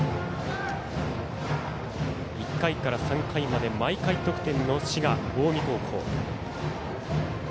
１回から３回まで毎回得点の滋賀、近江高校。